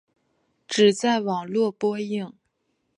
只在网络播映。